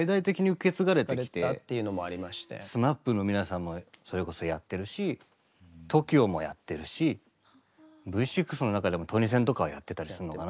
ＳＭＡＰの皆さんもそれこそやってるしＴＯＫＩＯもやってるしＶ６の中でもトニセンとかはやってたりするのかな。